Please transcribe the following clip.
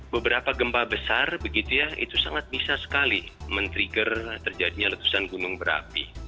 beberapa gempa besar begitu ya itu sangat bisa sekali men trigger terjadinya letusan gunung berapi